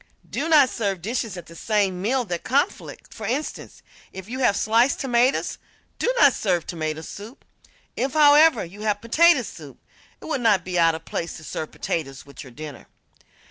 Do not serve dishes at the same meal that conflict. For instance, if you have sliced tomatoes, do not serve tomato soup. If, however, you have potato soup, it would not be out of place to serve potatoes with your dinner.